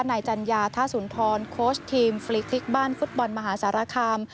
จัญญาท่าสุนทรโค้ชทีมฟรีคลิกบ้านฟุตบอลมหาสารคาม